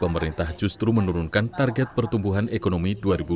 pemerintah justru menurunkan target pertumbuhan ekonomi dua ribu dua puluh